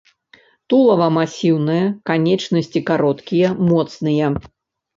Тулава масіўнае, канечнасці кароткія, моцныя.